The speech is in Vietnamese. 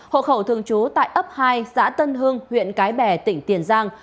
hội khẩu thương chú tại ấp hai xã tân hương huyện cái bè tỉnh tiền giang